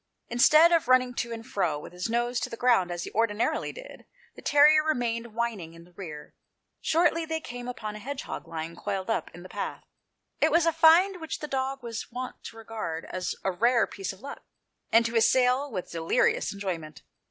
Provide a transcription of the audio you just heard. Instead of running to and fro, with his nose to the ground, as he ordinarily did, the terrier remained whining in the rear. Shortly, they came upon a hedgehog lying coiled up in the path ; it was a find which the dog was wont to regard as a rare piece of luck, and to assail with delirious enjoyment.